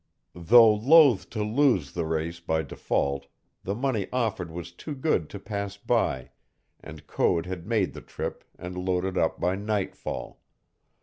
Though loath to lose the race by default, the money offered was too good to pass by, and Code had made the trip and loaded up by nightfall.